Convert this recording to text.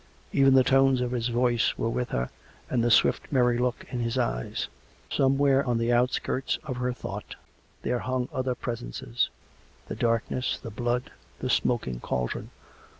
Even the tones of his voice were with her, and the swift merry look in his eyes. ... Somewhere on the outskirts of her thought there hung other presences: the darkness, the blood, the smoking cauldron.